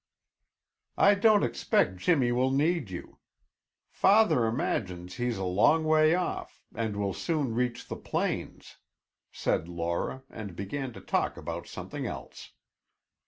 "I don't expect Jimmy will need you. Father imagines he's a long way off and will soon reach the plains," said Laura and began to talk about something else.